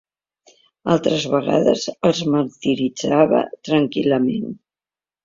Altres vegades els martiritzava tranquil·lament.